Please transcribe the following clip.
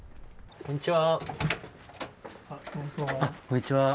こんにちは。